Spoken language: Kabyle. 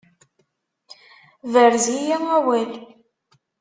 Berz-iyi awal!